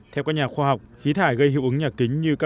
theo các nhà khoa học khí thải gây hiệu ứng nhạc kính như cao